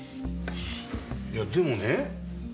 いやでもね